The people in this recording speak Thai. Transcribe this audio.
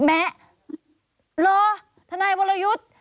แม้รอทนายวรยุทธ์